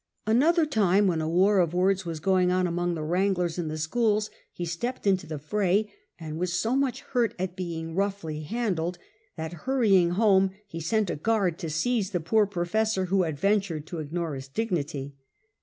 Another time, when a war of words was going on among the wranglers in the schools, he stepped into the fray, and was so much hurt at being roughly handled that, hurrying home, he sent a guard to seize the poor professor who had ventured to ignore his dignity.